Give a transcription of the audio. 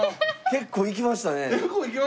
結構いきましたね。